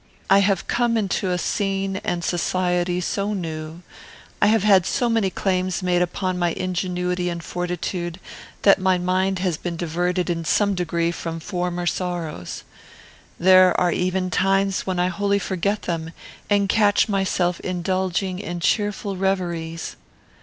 I have come into a scene and society so new, I have had so many claims made upon my ingenuity and fortitude, that my mind has been diverted in some degree from former sorrows. There are even times when I wholly forget them, and catch myself indulging in cheerful reveries.